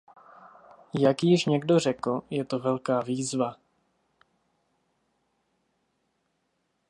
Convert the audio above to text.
Jak již někdo řekl, je to velká výzva.